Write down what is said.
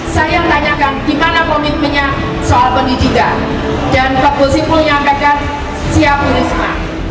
saya tanyakan di mana komitmennya soal pendidikan dan kebosipun yang agak siap di sma